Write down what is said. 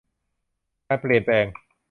การเปลี่ยนแปลง